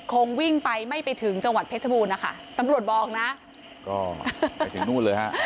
คงวิ่งไปไม่ไปถึงจังหวัดเพชรบูรณนะคะตำรวจบอกนะก็ไปถึงนู่นเลยฮะ